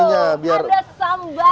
oh ada sambal yang diekspor